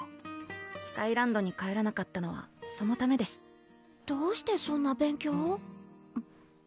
スカイランドに帰らなかったのはそのためですどうしてそんな勉強を？